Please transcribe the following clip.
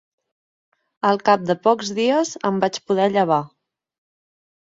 Al cap de pocs dies em vaig poder llevar